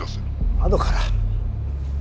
窓から？